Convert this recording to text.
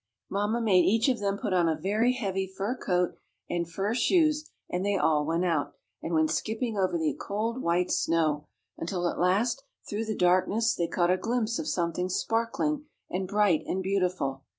Mamma made each of them put on a very heavy fur coat, and fur shoes, and they all went out, and went skipping over the cold white snow, until at last, through the darkness they caught a glimpse of something sparkling, and bright and beautiful.